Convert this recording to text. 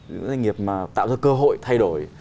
những doanh nghiệp mà tạo ra cơ hội thay đổi